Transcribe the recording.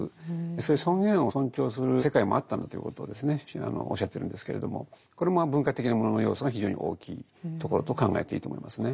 そういう尊厳を尊重する世界もあったんだということをおっしゃってるんですけれどもこれも文化的なものの要素が非常に大きいところと考えていいと思いますね。